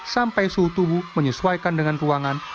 sampai suhu tubuh menyesuaikan dengan ruangan